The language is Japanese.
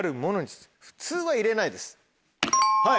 普通は入れないです。